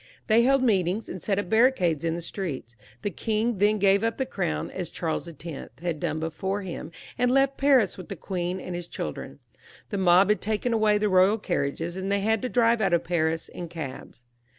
They held meetings, and set up barricades in the streets. The king then gave up the crown, as Charles X. had done before him, and left Paris with the queen and his children. The mob had taken away the royal carriages, and they had to drive out of Paris in cabs.